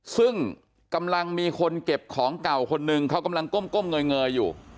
ซึ่งกำลังมีคนเก็บของเก่าคนหนึ่งเขากำลังก้มเงยอยู่